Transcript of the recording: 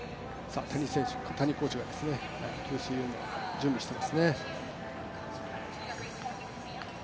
谷井コーチが給水を準備していますね。